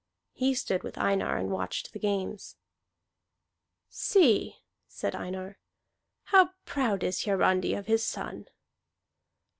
He stood with Einar and watched the games. "See," said Einar, "how proud is Hiarandi of his son!"